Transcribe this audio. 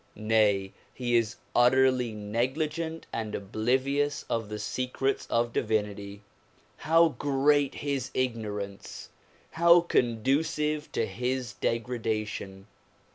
Nay, he is utterly negligent and oblivious of the secrets of divinity. How great his ignorance ! How conducive to his degradation